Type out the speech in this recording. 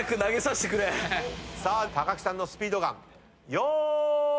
さあ木さんのスピードガンよーい。